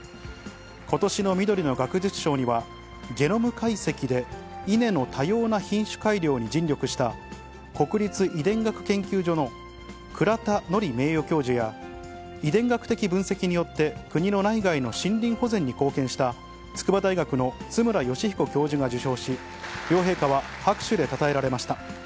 ことしのみどりの学術賞には、ゲノム解析でイネの多様な品種改良に尽力した国立遺伝学研究所の倉田のり名誉教授や、遺伝学的分析によって国の内外の森林保全に貢献した、筑波大学の津村義彦教授が受賞し、両陛下は拍手でたたえられました。